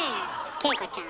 景子ちゃん